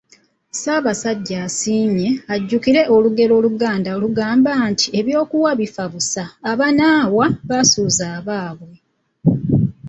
Ssabasajja asiime, ajjukire olugero Oluganda olugamba nti “ Eby’okuwa bifa busa, abanaawa baasuuza bbaabwe.”